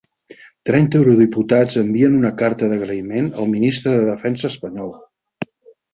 Trenta eurodiputats envien una carta d'agraïment al ministre de Defensa espanyol